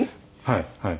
はいはい。